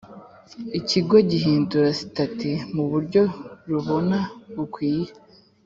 Ikigo gihindura sitati mu buryo rubona bukwiye